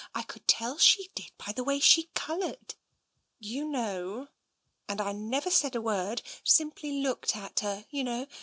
I could tell she did, by the way she coloured. You know. And I never said a word. Simply looked at her, you know.